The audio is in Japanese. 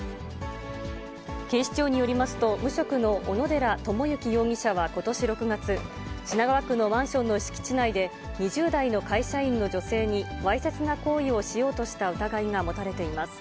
警視庁によりますと、無職の小野寺智之容疑者はことし６月、品川区のマンションの敷地内で、２０代の会社員の女性にわいせつな行為をしようとした疑いが持たれています。